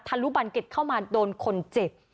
ลุบันเก็ตเข้ามาโดนคนเจ็บ